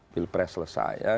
pilpres selesai ya